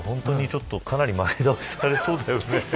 かなり前倒ししそうですよね。